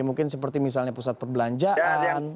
mungkin seperti misalnya pusat perbelanjaan